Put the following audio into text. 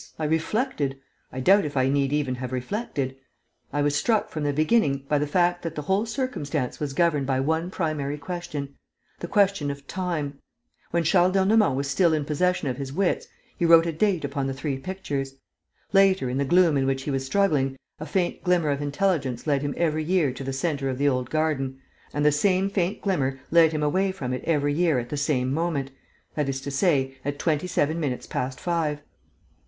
I reflected. I doubt if I need even have reflected. I was struck, from the beginning, by the fact that the whole circumstance was governed by one primary question: the question of time. When Charles d'Ernemont was still in possession of his wits, he wrote a date upon the three pictures. Later, in the gloom in which he was struggling, a faint glimmer of intelligence led him every year to the centre of the old garden; and the same faint glimmer led him away from it every year at the same moment, that is to say, at twenty seven minutes past five.